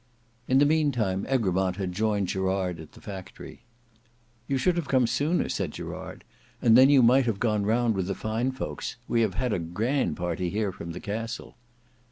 In the meantime Egremont had joined Gerard at the factory. "You should have come sooner," said Gerard, "and then you might have gone round with the fine folks. We have had a grand party here from the castle."